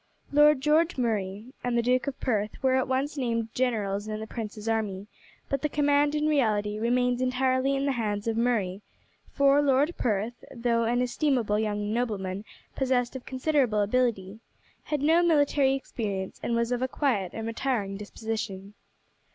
Lord George Murray and the Duke of Perth were at once named generals in the prince's army; but the command in reality remained entirely in the hands of Murray, for Lord Perth, though an estimable young nobleman possessed of considerable ability, had no military experience and was of a quiet and retiring disposition.